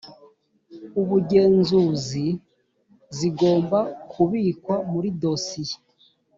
ubugenzuzi zigomba kubikwa muri dosiye